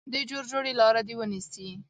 د جوړجاړي لاره دې ونیسي.